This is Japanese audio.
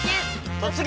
「突撃！